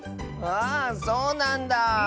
あそうなんだあ。